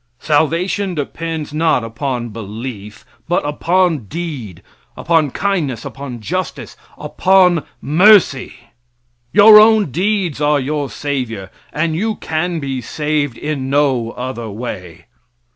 Salvation depends, not upon belief but upon deed upon kindness, upon justice, upon mercy. Your own deeds are your savior, and you can be saved in no other way.